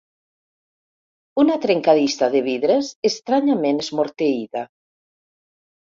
Una trencadissa de vidres estranyament esmorteïda.